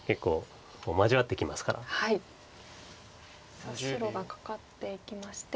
さあ白がカカっていきまして。